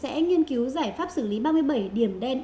sẽ nghiên cứu giải pháp xử lý ba mươi bảy điểm đen